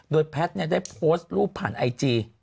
โดยแพทย์ได้โพสต์รูปผ่านไอจี